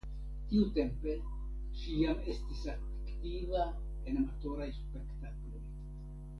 Tiutempe ŝi jam estis aktiva en amatoraj spektakloj.